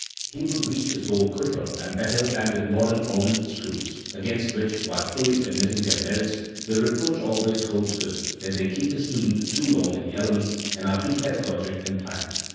He will reach his goal quicker and better than with modern organ schools, against which while fully admitting their merits the reproach always holds good that they keep the student too long at the elements, and are too pedagogic in plan.